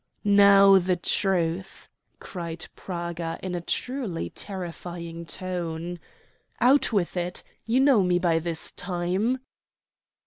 "Now the truth!" cried Praga in a truly terrifying tone. "Out with it. You know me by this time."